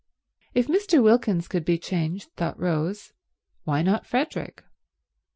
If Mr. Wilkins could be changed, thought Rose, why not Frederick?